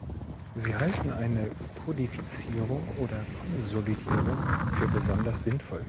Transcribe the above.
Sie halten eine Kodifizierung oder Konsolidierung für besonders sinnvoll.